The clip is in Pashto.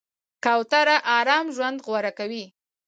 کوتره آرام ژوند غوره کوي.